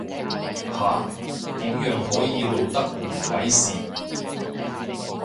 下，點樣可以露得唔猥褻